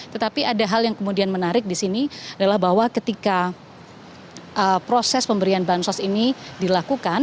tetapi ada hal yang kemudian menarik di sini adalah bahwa ketika proses pemberian bansos ini dilakukan